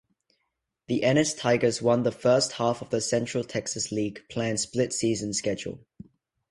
The Ennis Tigers won the first–half of the Central Texas League planned split–season schedule.